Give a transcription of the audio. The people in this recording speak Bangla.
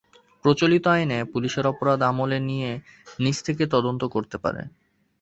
প্রচলিত আইনে পুলিশ অপরাধ আমলে নিয়ে নিজ থেকেই তদন্ত করতে পারে।